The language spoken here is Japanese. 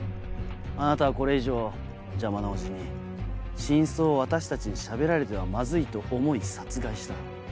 あなたはこれ以上邪魔な叔父に真相を私たちにしゃべられてはまずいと思い殺害した。